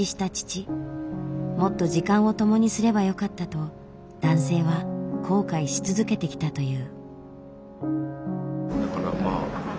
もっと時間をともにすればよかったと男性は後悔し続けてきたという。